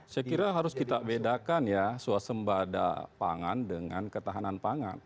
saya kira harus kita bedakan ya suasembada pangan dengan ketahanan pangan